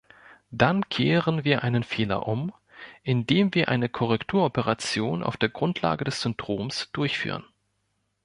Dann kehren wir einen Fehler um, indem wir eine Korrekturoperation auf der Grundlage des Syndroms durchführen.